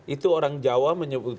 itu orang jawa menyebut